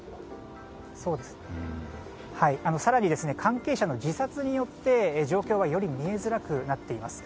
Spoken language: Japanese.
更に、関係者の自殺によって状況はより見えづらくなっています。